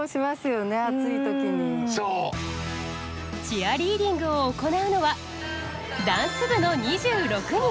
チアリーディングを行うのはダンス部の２６人。